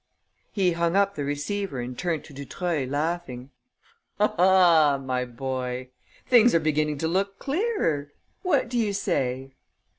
He hung up the receiver and turned to Dutreuil, laughing: "Ha, ha, my boy! Things are beginning to look clearer. What do you say?"